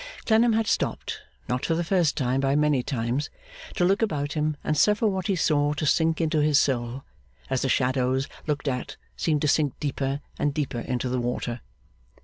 Clennam had stopped, not for the first time by many times, to look about him and suffer what he saw to sink into his soul, as the shadows, looked at, seemed to sink deeper and deeper into the water.